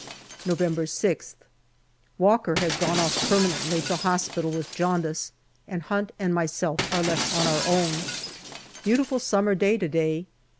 November 6th. Walker has gone off permanently to hospital with jaundice, and Hunt and myself are left on our own. Beautiful summer day, to day.